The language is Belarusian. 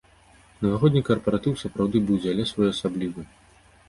Навагодні карпаратыў сапраўды будзе, але своеасаблівы.